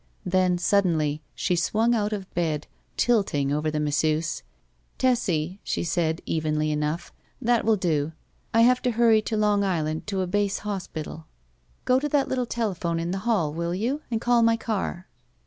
Then, suddenly, she swtmg out of bed, tilting over the masseuse. Tessie,*' she said, evenly enough, "that will do. I have to hurry to Long Island to a base hospital. 87 BACK PAY Go to that little telephone in the hall — ^will you? — and call my car."